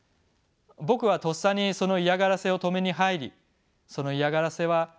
僕はとっさにその嫌がらせを止めに入りその嫌がらせはやみました。